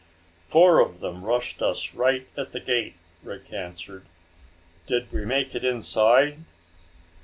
"Four of them rushed us right at the gate," Rick answered. "Did we make it inside?"